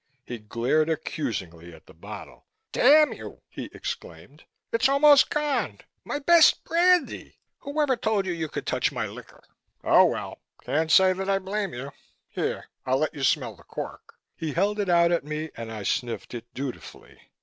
He glared accusingly at the bottle. "Damn you!" he exclaimed, "It's almost gone. My best brandy! Whoever told you you could touch my liquor? Oh, well, can't say that I blame you. Here, I'll let you smell the cork." He held it out at me and I sniffed it dutifully.